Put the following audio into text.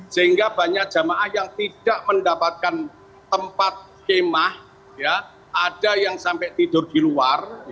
sehingga banyak jamaah yang tidak mendapatkan tempat kemah ada yang sampai tidur di luar